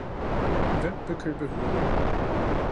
hvem vil købe huder!